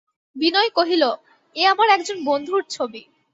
বিনয় কহিল, এ আমার একজন বন্ধুর ছবি।